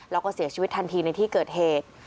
แล้วก็เสียชีวิตทันทีในที่เกิดเหตุ